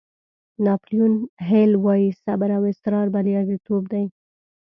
ناپیلیون هیل وایي صبر او اصرار بریالیتوب دی.